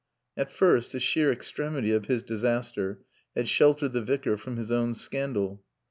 At first, the sheer extremity of his disaster had sheltered the Vicar from his own scandal.